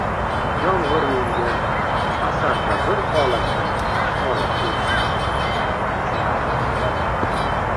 Yomg‘ir menga asarda bir holatdan ikkinchi holatga o‘tishim, uchun yordam beradi.